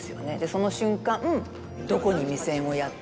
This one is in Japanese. その瞬間。